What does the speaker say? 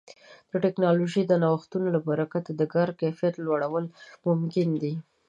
د ټکنالوژۍ د نوښتونو له برکت د کاري کیفیت لوړول ممکن دي.